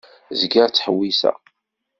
Zgiɣ ttḥewwiseɣ.